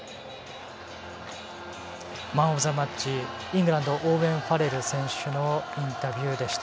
マン・オブ・ザ・マッチイングランドオーウェン・ファレル選手のインタビューでした。